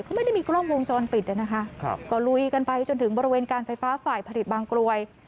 ก็ไม่ได้มีกล้องวงจรปิดนะคะก็ลุยกันไปจนถึงบริเวณการไฟฟ้าฝ่ายผลิตบางกรวย